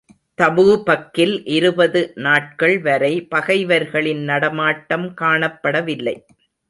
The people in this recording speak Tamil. தபூபக்கில் இருபது நாட்கள் வரை பகைவர்களின் நடமாட்டம் காணப்படவில்லை.